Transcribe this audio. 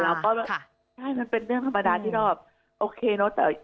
ใช่มันเป็นเรื่องธรรมดาที่เราโอเคเนอะ